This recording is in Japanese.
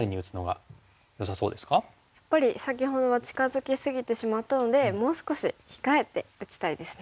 やっぱり先ほどは近づき過ぎてしまったのでもう少し控えて打ちたいですね。